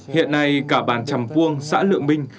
hiện nay cả bản trầm puông xã lượng minh